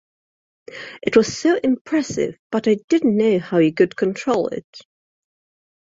It was so impressive, but I didn't know how you would control it.